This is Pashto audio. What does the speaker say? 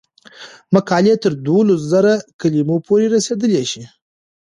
مقالې تر دولس زره کلمو پورې رسیدلی شي.